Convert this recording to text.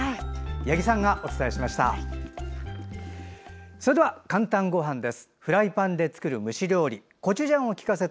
八木さんがお伝えしました。